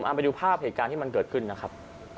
เอาไปดูภาพเหตุการณ์ที่มันเกิดขึ้นนะครับ